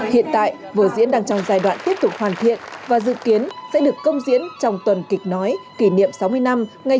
hiện tại vở diễn đang trong giai đoạn tiếp tục hoàn thiện và dự kiến sẽ được công diễn trong tuần kịch nói kỷ niệm sáu mươi năm ngày